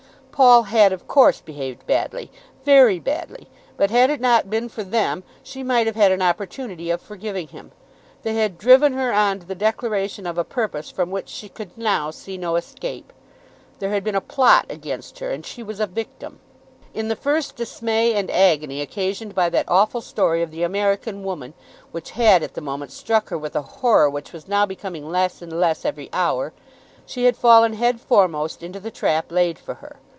Paul had of course behaved badly, very badly, but had it not been for them she might have had an opportunity of forgiving him. They had driven her on to the declaration of a purpose from which she could now see no escape. There had been a plot against her, and she was a victim. In the first dismay and agony occasioned by that awful story of the American woman, which had, at the moment, struck her with a horror which was now becoming less and less every hour, she had fallen head foremost into the trap laid for her.